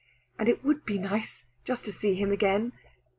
And it would be nice just to see him again!